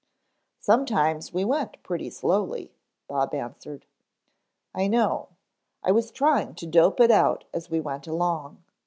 "Sometimes we went pretty slowly," Bob answered. "I know. I was trying to dope it out as we went along.